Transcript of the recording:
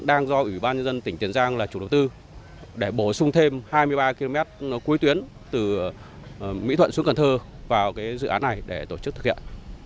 đang do ủy ban nhân dân tỉnh tiền giang là chủ đầu tư để bổ sung thêm hai mươi ba km cuối tuyến từ mỹ thuận xuống cần thơ vào dự án này để tổ chức thực hiện